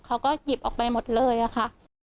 เขาก็หยิบออกไปหมดเลยอะค่ะ